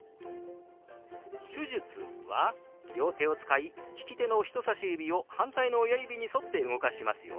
「手術」は両手を使い利き手の人さし指を反対の親指に沿って動かしますよ。